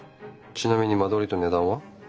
ちなみに間取りと値段は？